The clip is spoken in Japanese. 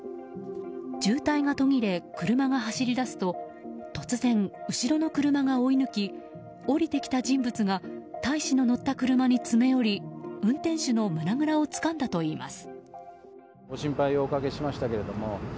渋滞が途切れ、車が走り出すと突然、後ろの車が追い抜き降りてきた人物が大使の乗った車に詰め寄り運転手の胸ぐらをつかんだといいます。